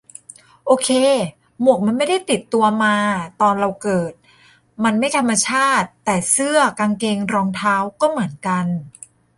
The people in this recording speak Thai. โอเค หมวกมันไม่ได้ติดตัวมาตอนเราเกิด มัน 'ไม่ธรรมชาติ'. แต่เสื้อกางเกงรองเท้า ก็เหมือนกัน.